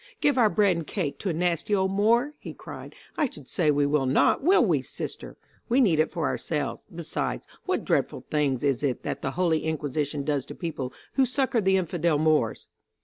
"Give our bread and cake to a nasty old Moor?" he cried; "I should say we will not, will we, sister? We need it for ourselves. Besides, what dreadful thing is it that the Holy Inquisition does to people who succor the infidel Moors?"